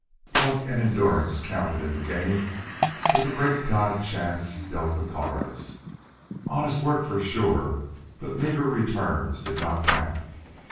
Pluck and endurance counted in the game, but the great god Chance dealt the cards. Honest work for sure but meagre returns did not count.